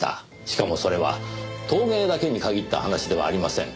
しかもそれは陶芸だけに限った話ではありません。